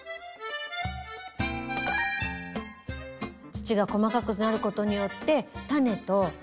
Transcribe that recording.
土が細かくなることによってタネと密着すると。